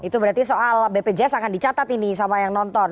itu berarti soal bpjs akan dicatat ini sama yang nonton